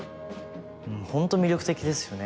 ほんと魅力的ですよね